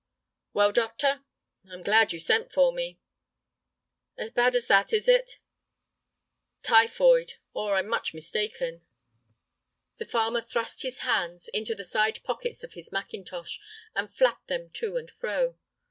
"Well, doctor?" "I'm glad you sent for me." "As bad as that, is it?" "Typhoid, or I am much mistaken." The farmer thrust his hands into the side pockets of his mackintosh, and flapped them to and fro.